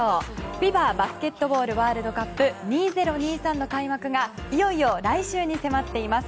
ＦＩＢＡバスケットボールワールドカップ２０２３の開幕がいよいよ来週に迫っています。